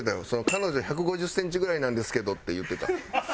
「彼女１５０センチぐらいなんですけど」って言ってた。